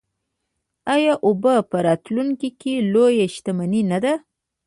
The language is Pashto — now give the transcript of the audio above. آیا اوبه په راتلونکي کې لویه شتمني نه ده؟